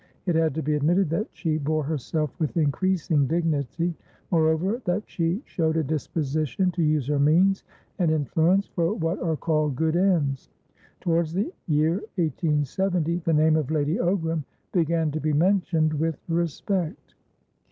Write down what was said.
It had to be admitted that she bore herself with increasing dignity; moreover, that she showed a disposition to use her means and influence for what are called good ends. Towards the year 1870 the name of Lady Ogram began to be mentioned with respect.